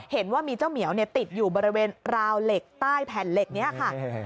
เห็นว่ามีเจ้าเหมียวติดอยู่บริเวณราวเหล็กใต้แผ่นเหล็กนี้ค่ะ